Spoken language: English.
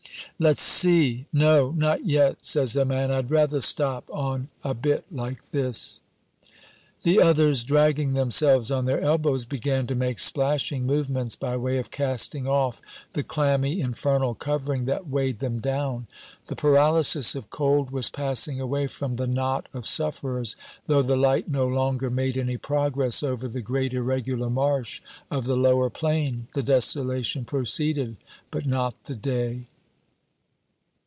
"Let's see " "No, not yet," says the man. "I'd rather stop on a bit like this." The others, dragging themselves on their elbows, began to make splashing movements, by way of casting off the clammy infernal covering that weighed them down. The paralysis of cold was passing away from the knot of sufferers, though the light no longer made any progress over the great irregular marsh of the lower plain. The desolation proceeded, but not the day.